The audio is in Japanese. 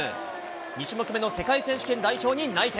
２種目目の世界選手権代表に内定。